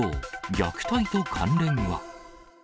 虐待と関連は？